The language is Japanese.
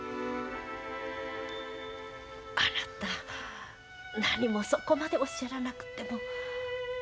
あなたなにもそこまでおっしゃらなくても。